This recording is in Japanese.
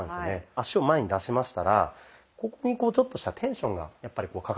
足を前に出しましたらここにちょっとしたテンションがかかってきます。